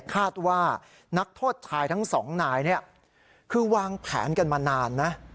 คาดว่านักโทษชายทั้งสองนายเนี่ยคือวางแผนกันมานานนะ